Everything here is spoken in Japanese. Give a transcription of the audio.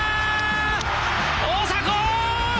大迫！